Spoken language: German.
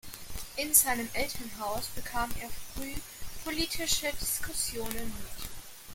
In seinem Elternhaus bekam er früh politische Diskussionen mit.